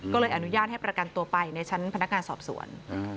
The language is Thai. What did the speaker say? ก็เลยอนุญาตให้ประกันตัวไปในชั้นพนักงานสอบสวน